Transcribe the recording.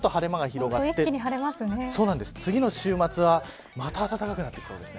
その後、晴れ間が広がって次の週末はまた暖かくなってきそうです。